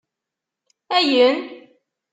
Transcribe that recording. Ayen